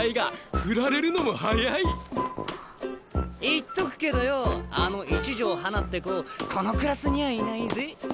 言っとくけどようあの一条花って子このクラスにはいないぜ。